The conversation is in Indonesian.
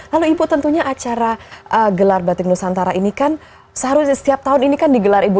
lalu ibu tentunya acara gelar batik nusantara ini kan seharusnya setiap tahun ini kan digelar ibu